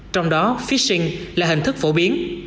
trong đó phishing là hình thức phổ biến